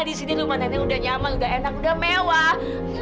di sini lumanannya udah nyaman udah enak udah mewah